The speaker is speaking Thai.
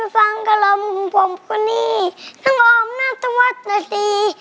ฟังกระลมของผมก็นี่น้องอมน่าจะวัดหน่อยสี่